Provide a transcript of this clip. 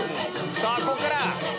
さぁここから！